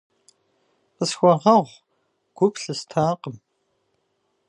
Къысхуэгъэгъу, гу плъыстакъым.